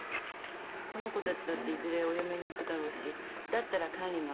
この子たちだっていずれお嫁に行くだろうしだったら管理の楽なマンション。